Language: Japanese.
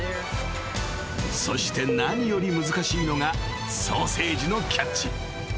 ［そして何より難しいのがソーセージのキャッチ］